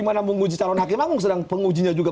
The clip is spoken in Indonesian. mana menguji calon hakim agung sedang pengujinya juga